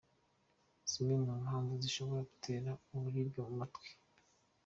Zimwe mu mpamvu zishobora gutera uburibwe mu matwi